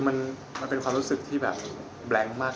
ซึ่งก็ตั้งตัวไม่ถูกแบบนั้นครับ